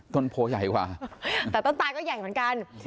ต้นโพใหญ่กว่าแต่ต้นตายก็ใหญ่เหมือนกัน